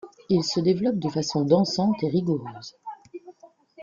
Il se développe de façon dansante et vigoureuse.